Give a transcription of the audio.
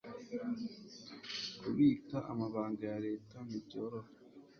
kubika amabanga ya leta ntibyoroha